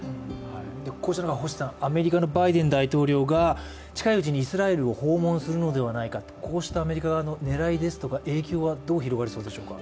こうした中、アメリカのバイデン大統領が近いうちにイスラエルを訪問するのではないかこうしたアメリカ側の狙い影響はどう広がりそうでしょうか。